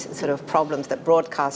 diperlukan oleh pemberitaan